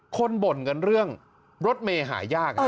คนบ่นกันเรื่องรถเมล์หายากนะ